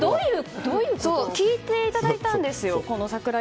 聞いていただいたんですよ。